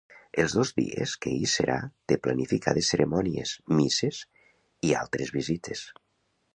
Els dos dies que hi serà té planificades cerimònies, misses i altres visites.